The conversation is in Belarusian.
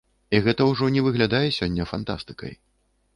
І гэта ўжо не выглядае сёння фантастыкай.